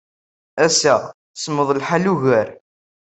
Ass-a, semmeḍ lḥal ugar.